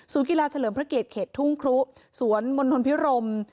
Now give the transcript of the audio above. ศูนย์กีฬาเฉลิมพระเกตเขตทุ่งครุศวนมณพิรม